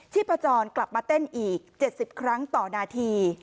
พจรกลับมาเต้นอีก๗๐ครั้งต่อนาที